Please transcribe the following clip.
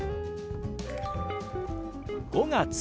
「５月」。